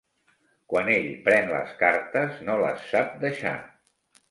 Quan ell pren les cartes no les sap deixar.